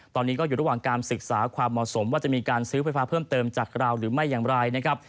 ตอนนี้ก็อยู่ระหว่างการศึกษาความเหมาะสมว่าจะมีการซื้อไฟฟ้าเพิ่มเติมจากเราหรือไม่อย่างไรนะครับ